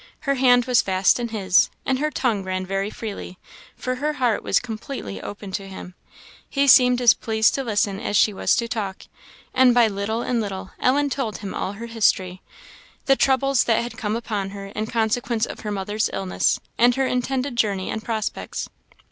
Her hand was fast in his, and her tongue ran very freely, for her heart was completely opened to him. He seemed as pleased to listen as she was to talk; and by little and little Ellen told him all her history the troubles that had come upon her in consequence of her mother's illness, and her intended journey and prospects.